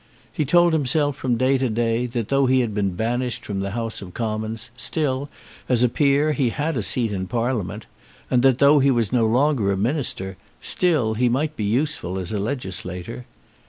He told himself from day to day, that though he had been banished from the House of Commons, still, as a peer, he had a seat in Parliament, and that, though he was no longer a minister, still he might be useful as a legislator.